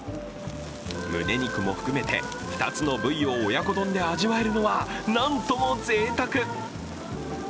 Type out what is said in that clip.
胸肉も含めて２つの部位を親子丼で味わえるのはなんともぜいたく。